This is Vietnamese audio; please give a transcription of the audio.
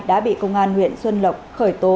đã bị công an huyện xuân lộc khởi tố